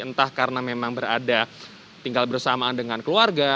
entah karena memang berada tinggal bersamaan dengan keluarga